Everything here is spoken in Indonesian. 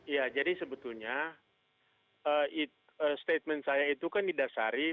ya jadi sebetulnya statement saya itu kan didasari